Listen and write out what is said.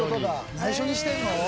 内緒にしてるの？